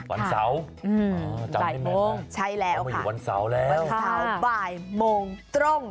วันเส้าอืมวันเส้าบ่ายมงตรง